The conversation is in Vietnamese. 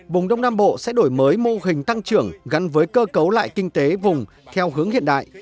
vùng đông nam bộ sẽ đổi mới mô hình tăng trưởng gắn với cơ cấu lại kinh tế vùng theo hướng hiện đại